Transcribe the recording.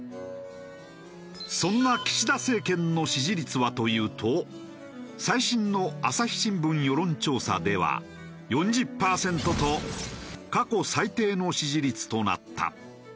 そんな岸田政権の支持率はというと最新の朝日新聞世論調査では４０パーセントと過去最低の支持率となった。